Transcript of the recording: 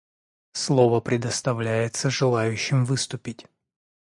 Слово предоставляется желающим выступить.